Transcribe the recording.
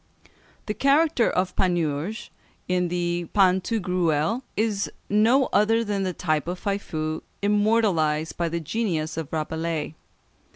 The character of Panurge, in the "Pantagruel," is no other than the type of Faifeu, immortalised by the genius of Rabelais.